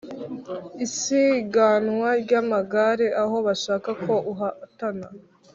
isiganwa ryamagare aho bashaka ko uhatana